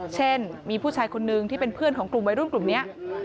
เช่นมีผู้ชายคนนึงที่เป็นเพื่อนของกลุ่มวัยรุ่นกลุ่มนี้